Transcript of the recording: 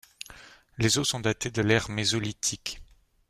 Les os sont datés de l’ère mésolithique.